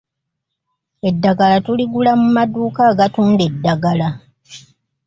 Eddagala tuligula mu maduuka agatunda eddagala.